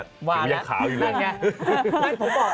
ขิวยังขาโออยู่เลย